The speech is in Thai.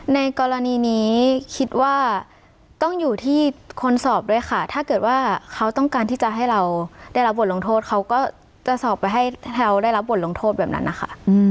ในกรณีนี้คิดว่าต้องอยู่ที่คนสอบด้วยค่ะถ้าเกิดว่าเขาต้องการที่จะให้เราได้รับบทลงโทษเขาก็จะสอบไปให้แถวได้รับบทลงโทษแบบนั้นนะคะ